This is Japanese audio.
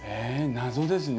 謎ですね。